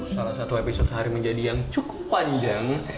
salah satu episode sehari menjadi yang cukup panjang